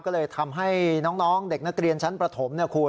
ก็เลยทำให้น้องเด็กนักเรียนชั้นประถมนะคุณ